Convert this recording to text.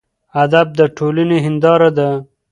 ادب د ټولنې هینداره ده.